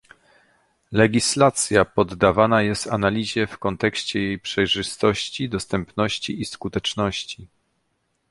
Legislacja poddawana jest analizie w kontekście jej przejrzystości, dostępności i skuteczności